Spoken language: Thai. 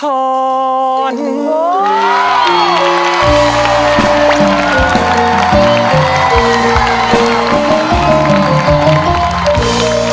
ขอบคุณครับ